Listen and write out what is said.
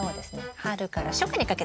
春から初夏にかけてか。